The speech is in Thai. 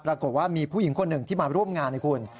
ปรากฏว่ามีผู้หญิงคนหนึ่งที่มาร่วมงานให้คุณ